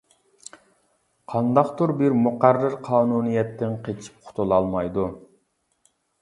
قانداقتۇر بىر مۇقەررەر قانۇنىيەتتىن قېچىپ قۇتۇلالمايدۇ.